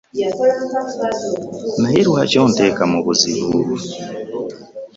Naye lwaki onteeka mu buzibu?